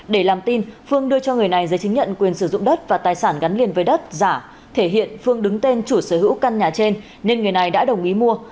để làm tin phương đưa cho người này giấy chứng nhận quyền sử dụng đất và tài sản gắn liền với đất giả thể hiện phương đứng tên chủ sở hữu căn nhà trên nên người này đã đồng ý mua